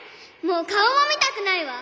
もう顔も見たくないわ！